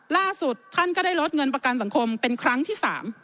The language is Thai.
ล่าสุดท่านก็ได้ลดเงินประกันสังคมเป็นครั้งที่๓